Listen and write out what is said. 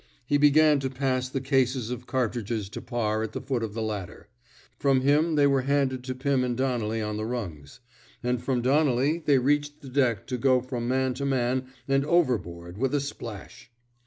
He began to pass the cases of car tridges to Parr at the foot of the ladder; from him they were handed to Pim and Donnelly on the rungs; and from Donnelly they reached the deck to go from man to man and overboard with a splash.